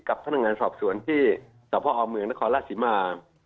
กับท่านงานสอบสวนที่สรรพาหอมเมืองนครราชสิมา